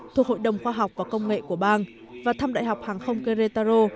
thuộc hội đồng khoa học và công nghệ của bang và thăm đại học hàng không kerrytaro